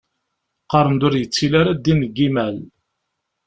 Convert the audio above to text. Qqaren-d ur yettili ara ddin deg yimal.